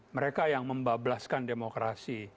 mereka yang membablaskan demokrasi